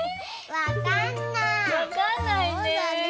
わかんないね。